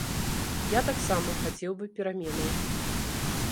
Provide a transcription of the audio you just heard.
Я таксама хацеў бы пераменаў.